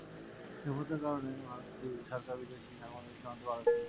নিরাপত্তার কারণে ভারত সরকার বিদেশি সাংবাদিকদের সীমান্ত পার হতে দিত না।